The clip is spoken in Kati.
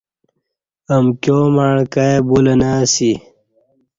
امکیاں مع کائی بولہ نہ اسی